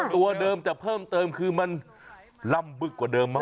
ตัวเดิมแต่เพิ่มเติมคือมันล่ำบึกกว่าเดิมมาก